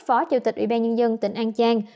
phó chủ tịch ủy ban nhân dân tỉnh an giang